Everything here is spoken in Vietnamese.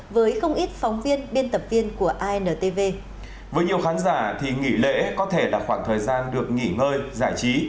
với nhiều khán giả thì nghỉ lễ có thể là khoảng thời gian được nghỉ ngơi giải trí